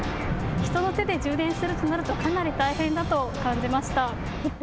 人の手で充電するとなるとかなり大変だと感じました。